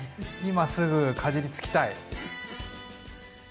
今すぐかじりつきたい！